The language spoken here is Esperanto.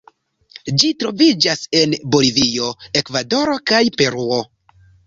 Ĝi troviĝas en Bolivio, Ekvadoro kaj Peruo.